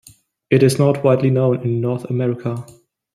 It is not widely known in North America.